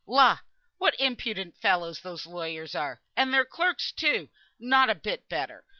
"La! what impudent fellows those lawyers are! And their clerks, too, not a bit better.